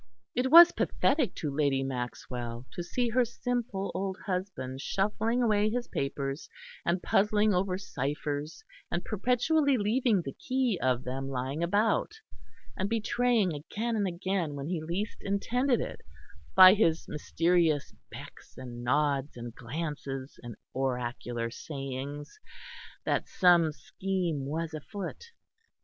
It was pathetic to Lady Maxwell to see her simple old husband shuffling away his papers, and puzzling over cyphers and perpetually leaving the key of them lying about, and betraying again and again when he least intended it, by his mysterious becks and nods and glances and oracular sayings, that some scheme was afoot.